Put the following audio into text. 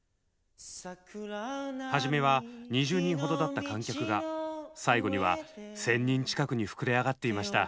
始めは２０人ほどだった観客が最後には１，０００人近くに膨れあがっていました。